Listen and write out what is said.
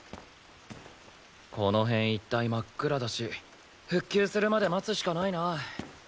この辺一帯真っ暗だし復旧するまで待つしかないな。